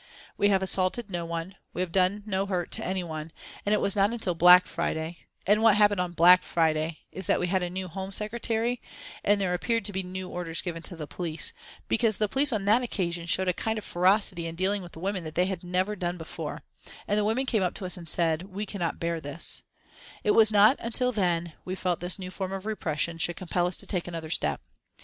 "We have assaulted no one; we have done no hurt to any one; and it was not until 'Black Friday' and what happened on 'Black Friday' is that we had a new Home Secretary, and there appeared to be new orders given to the police, because the police on that occasion showed a kind of ferocity in dealing with the women that they had never done before, and the women came to us and said: 'We cannot bear this' it was not until then we felt this new form of repression should compel us to take another step.